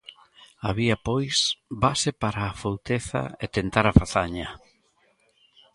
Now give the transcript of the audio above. Había, pois, base para a afouteza e tentar a fazaña.